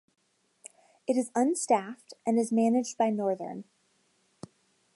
It is unstaffed, and is managed by Northern.